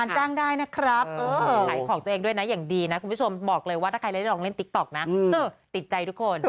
จ้างได้นะครับอะไรอย่างนี้